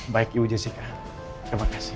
baik yu jessica terima kasih